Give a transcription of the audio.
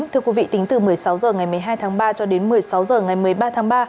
thưa quý vị tính từ một mươi sáu h ngày một mươi hai tháng ba cho đến một mươi sáu h ngày một mươi ba tháng ba